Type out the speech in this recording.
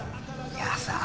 いやさあ